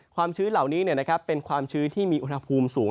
ชื้นเหล่านี้เป็นความชื้นที่มีอุณหภูมิสูง